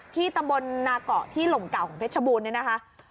ที่ตำบลนาเกาะที่หล่มเก่าของเพชรบูรณเนี่ยนะคะ